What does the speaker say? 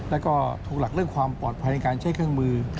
แล้วก็ถูกหลักเรื่องความปลอดภัยในการใช้เครื่องมือ